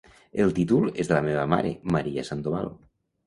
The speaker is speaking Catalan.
El títol és de la meva mare, Maria Sandoval.